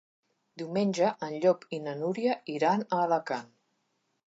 Diumenge en Llop i na Núria iran a Alacant.